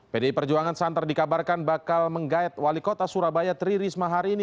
pdi perjuangan santer dikabarkan bakal menggaet wali kota surabaya tri risma hari ini